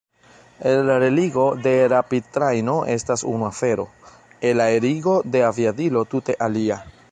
Elreligo de rapidtrajno estas unu afero; elaerigo de aviadilo tute alia.